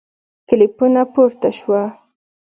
کلیپونه پورته سوه